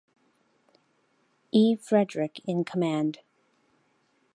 E. Friedrick in command.